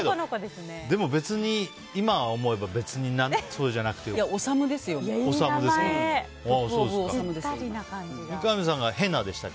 でも、別に今思えば別にそうじゃなくてよかった。